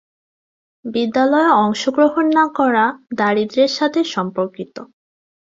বিদ্যালয়ে অংশগ্রহণ না করা দারিদ্র্যের সাথে সম্পর্কিত।